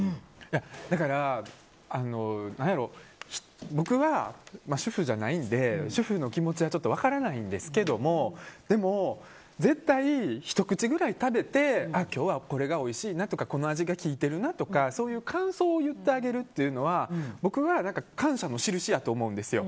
だから、何やろう僕は主婦じゃないので主婦の気持ちは分からないんですけどでも絶対、ひと口ぐらい食べて今日はこれがおいしいなとかこの味が効いてるなとか感想を言ってあげるというのは僕は感謝の印やと思うんですよ。